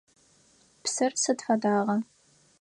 Псыр сыд фэдагъа?